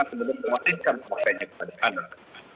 kemudian menguatirkan pantainya kepada anak